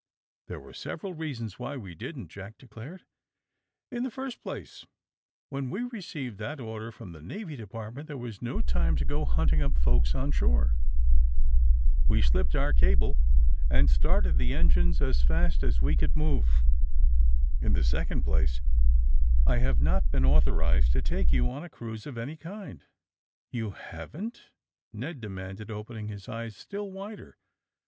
''There were several reasons why we didn't,'^ Jack declared. "In the first place, when we received that order from the Navy Department there was no time to go hunting up folks on shore. We slipped our cable and started the AND THE SMUGGLEKS 155 engines as fast as we could move. In the sec ond place I have not been authorized to take you on a cruise of any kind/' ^^You haven't/' Ned demanded, opening his eyes still wider.